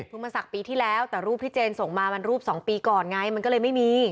มาสักปีที่แล้วแต่รูปพี่เจนส่งมามันรูปสองปีก่อนไงมันก็เลยไม่มี